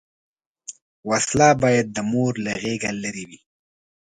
وسله باید د مور له غېږه لرې وي